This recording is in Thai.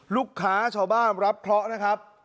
ลูกค้าชาวบ้านรับเคราะห์นะครับ